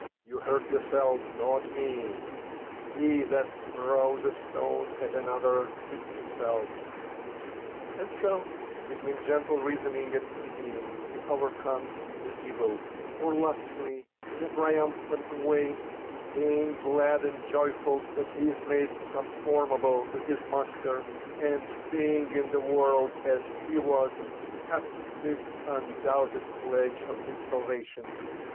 you hurt yourself, not me ; he that throws a stone at another, hits himself;" and so, between gentle reasoning and pitying, he overcomes the evil; — or, lastly, in a tri umphant way, being glad and joyful that he is made comformable to his INIaster, and, being in the world as he was, hath this undoubted pledge of his salvation.